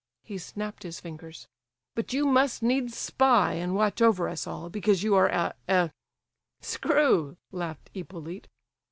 (he snapped his fingers). "But you must needs spy and watch over us all, because you are a—a—" "Screw!" laughed Hippolyte.